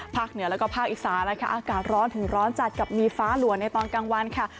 เหนือแล้วก็ภาคอีสานนะคะอากาศร้อนถึงร้อนจัดกับมีฟ้าหลัวในตอนกลางวันค่ะ